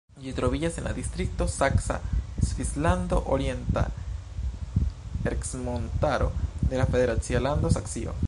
Ĝi troviĝas en la distrikto Saksa Svislando-Orienta Ercmontaro de la federacia lando Saksio.